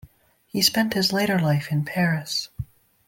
He spent his later life in Paris.